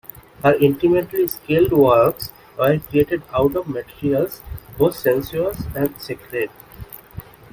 Her "intimately scaled works" were created out of "materials both sensuous and secret.